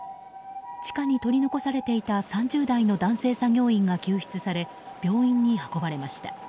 地下に取り残されていた３０代の男性作業員が救出され、病院に運ばれました。